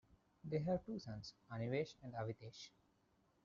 They have two sons, Anivesh and Avitesh.